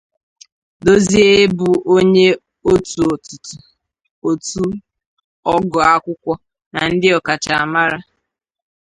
Dozie bu onye otu otutu otu ọgụ akwụkwo na ndi okacha-amara.